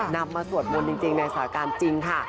นำมาโสดมนตร์จริงในเศรษฐกาลจริงค่ะ